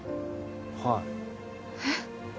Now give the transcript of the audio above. はいえっ？